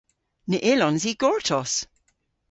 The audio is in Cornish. Ny yllons i gortos!